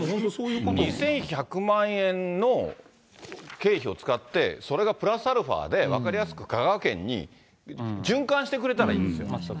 ２１００万円の経費を使って、それがプラスアルファで分かりやすく香川県に循環してくれたらいいんですよ。